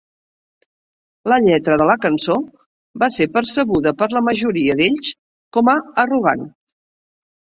La lletra de la cançó va ser percebuda per la majoria d'ells com a arrogant.